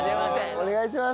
お願いします。